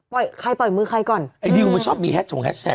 ปล่อยใครปล่อยมือใครก่อนไอดิวมันชอบมีแฮชแท็คเนาะ